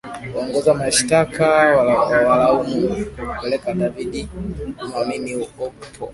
Waongoza mashitaka wanawalaumu kwa kupeleka David Nwamini Ukpo